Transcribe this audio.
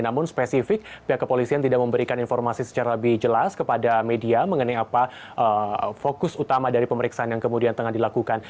namun spesifik pihak kepolisian tidak memberikan informasi secara lebih jelas kepada media mengenai apa fokus utama dari pemeriksaan yang kemudian tengah dilakukan